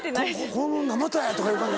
「この女またや」とかいう感じ。